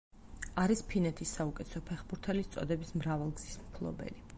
არის ფინეთის საუკეთესო ფეხბურთელის წოდების მრავალგზის მფლობელი.